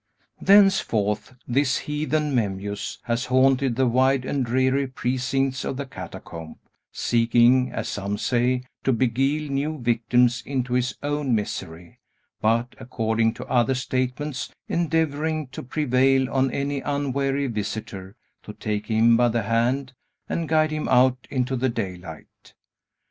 Thenceforth, this heathen Memmius has haunted the wide and dreary precincts of the catacomb, seeking, as some say, to beguile new victims into his own misery; but, according to other statements, endeavoring to prevail on any unwary visitor to take him by the hand, and guide him out into the daylight.